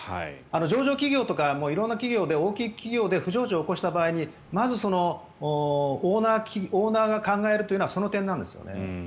上場企業とか色んな企業で大きい企業で不祥事を起こした時にまず、オーナーが考えるのはその点なんですよね。